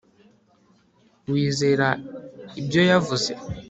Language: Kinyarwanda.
Wizera ibyo yavuze